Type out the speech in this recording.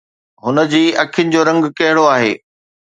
هن جي اکين جو رنگ ڪهڙو آهي؟